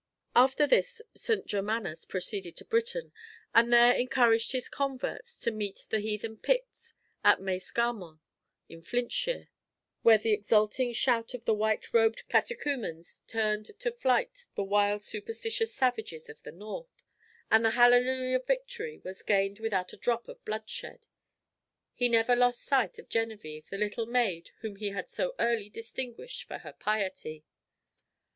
After this St. Germanus proceeded to Britain, and there encouraged his converts to meet the heathen Picts at Maes Garmon, in Flintshire, where the exulting shout of the white robed catechumens turned to flight the wild superstitious savages of the north, and the Hallelujah victory was gained without a drop of bloodshed. He never lost sight of Genevičve, the little maid whom he had so early distinguished for her piety.